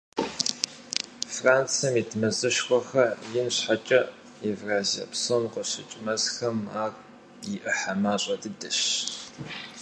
Францием ит мэзышхуэхэр ин щхьэкӀэ, Евразие псом къыщыкӀ мэзхэм ар и Ӏыхьэ мащӀэ дыдэщ.